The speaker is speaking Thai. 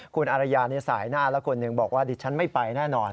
คุณอารยาสายหน้าแล้วคนหนึ่งบอกว่าดิฉันไม่ไปแน่นอน